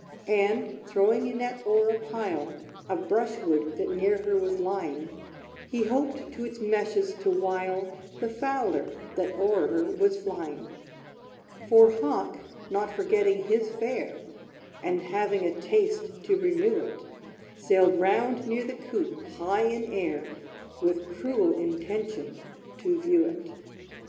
And, throwing a net o'er a pile Of brush wood that near her was lying, He hoped to its meshes to wile The fowler, that o'er her was flying. For Hawk, not forgetting his fare, And having a taste to renew it, Sailed round near the coop, high in air, With cruel intention, to view it.